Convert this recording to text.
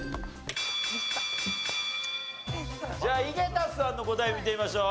じゃあ井桁さんの答え見てみましょう。